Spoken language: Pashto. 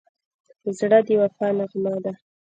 زړه د وفا نغمه ده.